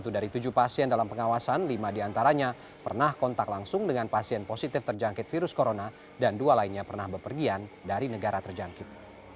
satu dari tujuh pasien dalam pengawasan lima diantaranya pernah kontak langsung dengan pasien positif terjangkit virus corona dan dua lainnya pernah berpergian dari negara terjangkit